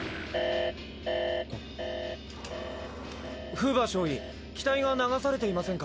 フーバー少尉機体が流されていませんか？